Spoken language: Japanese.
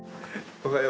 おはよう。